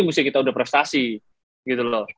mesti kita udah prestasi gitu loh